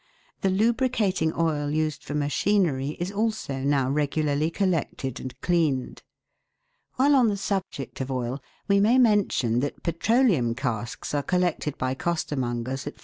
The lubricating oil used for machinery is also now regularly collected and cleaned. While on the subject of oil, we may mention that petroleum casks are collected by costermongers at 4d.